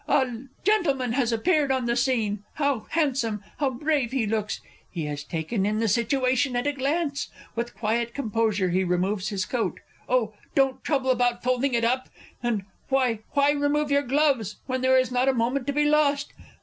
a gentleman has appeared on the scene how handsome, how brave he looks! He has taken in the situation at a glance! With quiet composure he removes his coat oh, don't trouble about folding it up! and why, why remove your gloves, when there is not a moment to be lost?